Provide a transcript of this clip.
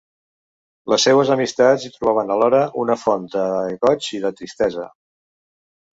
Les seues amistats hi trobaven alhora una font de goig i de tristesa.